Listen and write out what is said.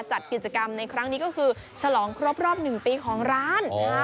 จัดกิจกรรมในครั้งนี้ก็คือฉลองครบรอบ๑ปีของร้าน